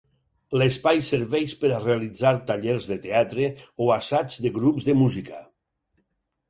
L'espai serveix per a realitzar tallers de teatre o assaigs de grups de música.